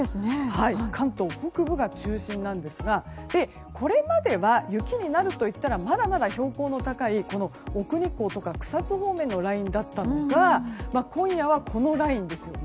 関東北部が中心なんですがこれまでは雪になるといったらまだまだ標高の高い奥日光とか草津方面のラインだったのが今夜は、このラインですよね。